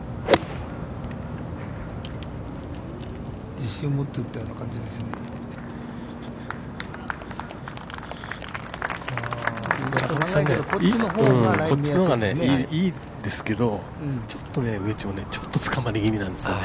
自信を持って打ったような感じですね。